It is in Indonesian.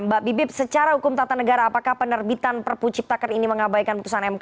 mbak bibip secara hukum tata negara apakah penerbitan perpu ciptaker ini mengabaikan putusan mk